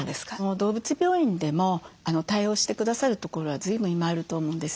動物病院でも対応してくださるところはずいぶん今あると思うんです。